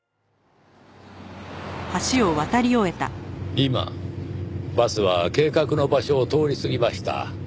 今バスは計画の場所を通り過ぎました。